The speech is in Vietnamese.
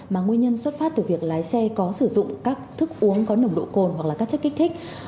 mà nguyên nhân xuất phát từ việc lái xe có sử dụng các thức uống có nồng độ cồn hoặc là các chất kích thích